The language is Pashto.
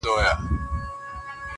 گوندې زما له لاسه تاته هم پېغور جوړ سي,